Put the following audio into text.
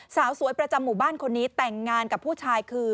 สาวสวยประจำหมู่บ้านคนนี้แต่งงานกับผู้ชายคือ